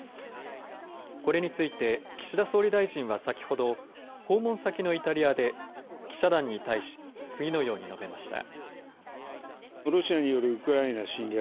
これについて岸田総理大臣は先ほど訪問先のイタリアで記者団に対し次のように述べました。